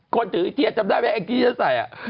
คนถือเฮียจำได้ไหมไอ้กี้จะใส่